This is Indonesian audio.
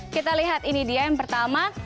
kita lihat ini dia yang pertama